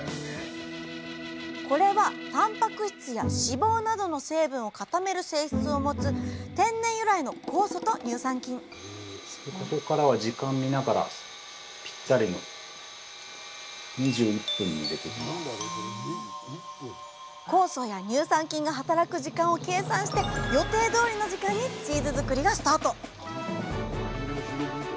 これはたんぱく質や脂肪などの成分を固める性質を持つ天然由来の酵素と乳酸菌酵素や乳酸菌が働く時間を計算して予定どおりの時間にチーズ作りがスタート